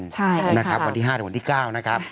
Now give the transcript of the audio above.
ใช่นะครับวันที่๕หรือวันที่๙นะครับ